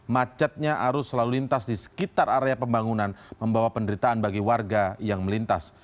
macetnya arus lalu lintas di sekitar area pembangunan membawa penderitaan bagi warga yang melintas